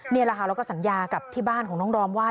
นี่แหละค่ะแล้วก็สัญญากับที่บ้านของน้องดอมว่า